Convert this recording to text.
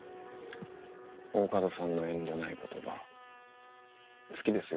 大加戸さんの遠慮ない言葉好きですよ